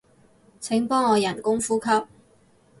請幫我人工呼吸